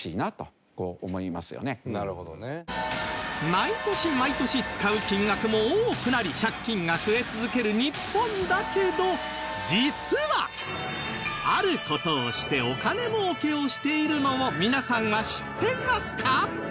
毎年毎年使う金額も多くなり借金が増え続ける日本だけど実はある事をしてお金儲けをしているのを皆さんは知っていますか？